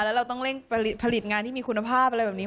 แล้วเราต้องเร่งผลิตงานที่มีคุณภาพอะไรแบบนี้